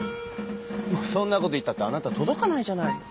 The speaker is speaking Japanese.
「もうそんな事言ったってあなた届かないじゃない」。